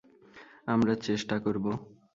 আমরা চেষ্টা করবো।